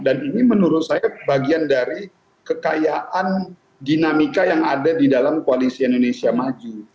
dan ini menurut saya bagian dari kekayaan dinamika yang ada di dalam koalisi indonesia maju